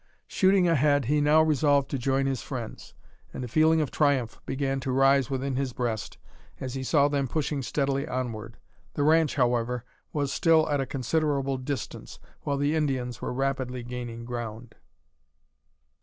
Shooting ahead he now resolved to join his friends and a feeling of triumph began to rise within his breast as he saw them pushing steadily onward. The ranch, however, was still at a considerable distance, while the Indians were rapidly gaining ground.